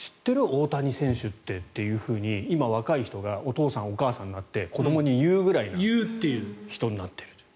大谷選手ってっていうふうに今、若い人がお父さん、お母さんが子どもに言うぐらいの人になっていると。